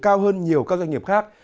cao hơn nhiều các doanh nghiệp khác